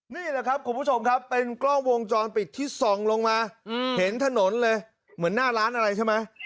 นี่แหละครับคุณผู้ชมครับเป็นกล้องวงจรปิดที่ส่องลงมาเห็นถนนเลยเหมือนหน้าร้านอะไรใช่ไหม